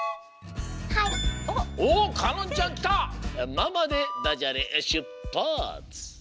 「まま」でダジャレしゅっぱつ！